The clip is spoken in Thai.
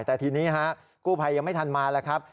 โครเรียกกู้ภัยหน่อยแต่ทีนี้กู้ภัยยังไม่ทันมาแล้วครับ